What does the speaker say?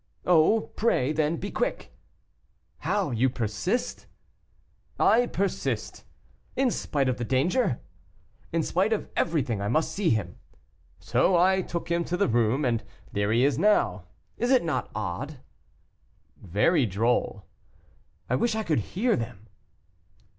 'Oh, pray, then, be quick!' 'How! you persist?' 'I persist.' 'In spite of the danger!' 'In spite of everything I must see him.' So I took him to the room, and there he is now. Is it not odd?" "Very droll." "I wish I could hear them."